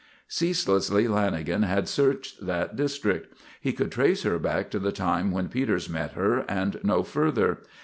Ceaselessly Lanagan had searched that district. He could trace her back to the time when Peters met her and no further.